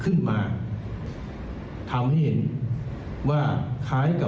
ผู้บังคับการตำรวจบูธรจังหวัดเพชรบูนบอกว่าจากการสอบสวนนะครับ